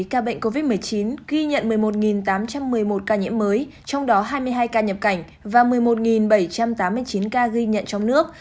hai ca bệnh covid một mươi chín ghi nhận một mươi một tám trăm một mươi một ca nhiễm mới trong đó hai mươi hai ca nhập cảnh và một mươi một bảy trăm tám mươi chín ca ghi nhận trong nước